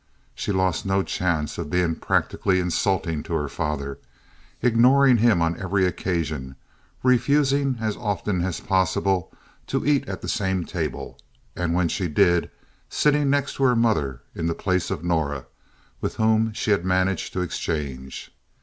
She lost no chance of being practically insulting to her father, ignoring him on every occasion, refusing as often as possible to eat at the same table, and when she did, sitting next her mother in the place of Norah, with whom she managed to exchange.